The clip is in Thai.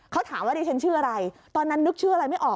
เขาถามว่าดิฉันชื่ออะไรตอนนั้นนึกชื่ออะไรไม่ออก